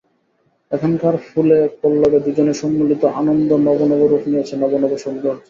এখানকার ফুলে পল্লবে দুজনের সম্মিলিত আনন্দ নব নব রূপ নিয়েছে নব নব সৌন্দর্যে।